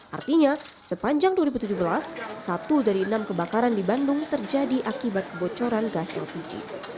artinya sepanjang dua ribu tujuh belas satu dari enam kebakaran di bandung terjadi akibat kebocoran gas lpg